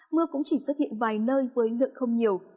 mưa cũng chỉ xuất hiện vài nơi với lượng không nhiều